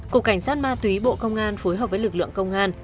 cục cảnh sát ma túy bộ công an phối hợp với lực lượng công an